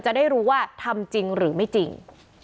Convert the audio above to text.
จะได้รู้ว่าทำจริงหรือไม่จริง